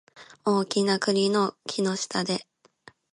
大きな栗の木の下で